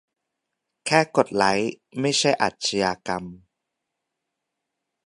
"แค่กดไลค์ ไม่ใช่อาชญากรรม"